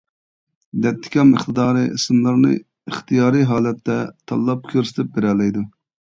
دەتتىكام ئىقتىدارى ئىسىملارنى ئىختىيارىي ھالەتتە تاللاپ كۆرسىتىپ بېرەلەيدۇ.